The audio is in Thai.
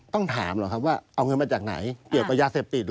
ต้องถามเหรอครับว่าเอาเงินมาจากไหนเกี่ยวกับยาเสพติด